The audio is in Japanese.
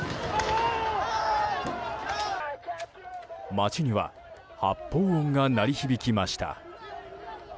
街には発砲音が鳴り響きました。